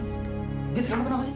guys kamu kenapa sih